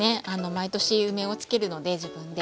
毎年梅を漬けるので自分で。